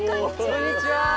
こんにちは！